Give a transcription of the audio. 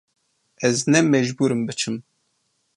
Ez ne mecbûr im biçim.